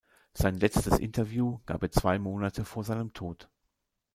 Sein letztes Interview gab er zwei Monate vor seinem Tod.